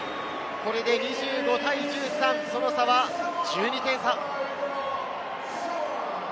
これで２５対１３、その差は１２点差。